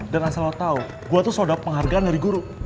dan asal lo tau gue tuh sodap penghargaan dari guru